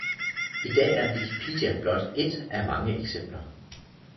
I dag er Wikipedia blot ét af mange eksempler